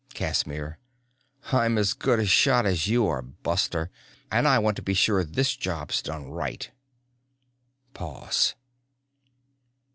Casimir: "I'm as good a shot as you are, buster, and I want to be sure this job's done right." Pause.